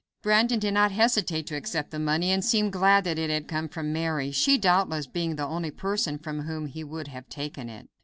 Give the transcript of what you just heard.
Brandon did not hesitate to accept the money, and seemed glad that it had come from Mary, she, doubtless, being the only person from whom he would have taken it.